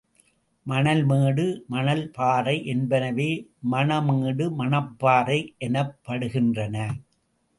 மணல்மேடு, மணல்பாறை என்பனவே, மணமேடு, மணப்பாறை எனப்படுகின்றன.